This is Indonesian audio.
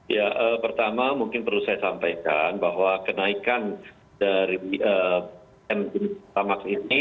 ya pertama mungkin perlu saya sampaikan bahwa kenaikan dari mg pertamax ini